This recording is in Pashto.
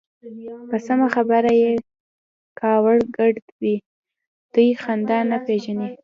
په سمه خبره کې يې کاوړ ګډ دی. دوی خندا نه پېژني.